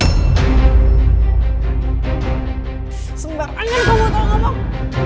sambar anjir kamu tau ngomong